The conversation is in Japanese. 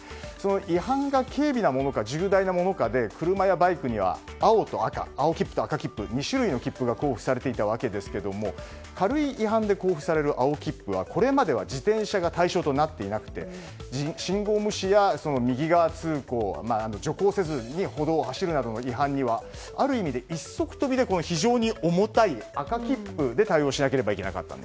違反が軽微なものか重大なものかで車やバイクには青切符と赤切符の２種類の切符が交付されていたわけですが軽い違反で交付される青切符はこれまでは自転車が対象となっていなくて信号無視や右側通行、徐行せずに歩道を走るなどの違反にはある意味、一足飛びで非常に重たい赤切符で対応しなければならなかった。